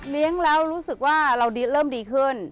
แล้วรู้สึกว่าเราเริ่มดีขึ้น